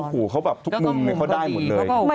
หูเขาแบบทุกมุมเลยเขาได้หมดเลย